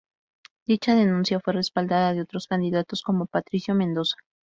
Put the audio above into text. Dicha denuncia fue respaldada de otros candidatos como Patricio Mendoza.